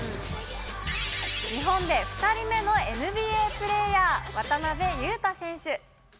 日本で２人目のＮＢＡプレーヤー、渡邊雄太選手。